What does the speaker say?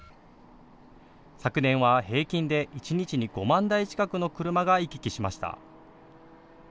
昨年は平均で一日に５万台近くの車が行き来しました。